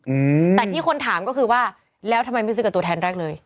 อืมแต่ที่คนถามก็คือว่าแล้วทำไมไม่ซื้อกับตัวแทนแรกเลย